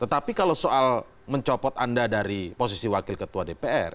tetapi kalau soal mencopot anda dari posisi wakil ketua dpr